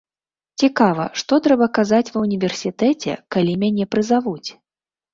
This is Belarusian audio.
Цікава, што трэба казаць ва ўніверсітэце, калі мяне прызавуць?